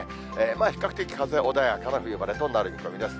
比較的風は穏やかな冬晴れとなる見込みです。